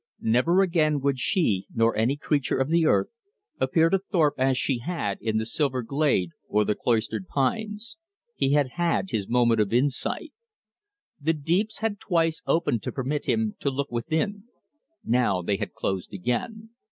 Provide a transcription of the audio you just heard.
Never again would she, nor any other creature of the earth, appear to Thorpe as she had in the silver glade or the cloistered pines. He had had his moment of insight. The deeps had twice opened to permit him to look within. Now they had closed again.